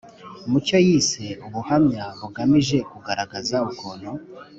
mu cyo yise ubuhamya bugamije kugaragaza ukuntu